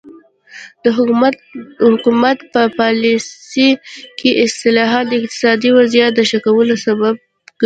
د حکومت په پالیسۍ کې اصلاحات د اقتصادي وضعیت د ښه کولو سبب ګرځي.